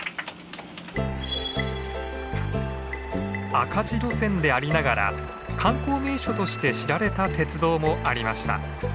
赤字路線でありながら観光名所として知られた鉄道もありました。